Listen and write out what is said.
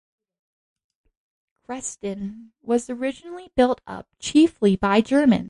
Creston was originally built up chiefly by Germans.